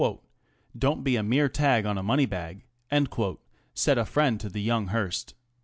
Don't be a mere tag on a money bag," said a friend to the young Hearst.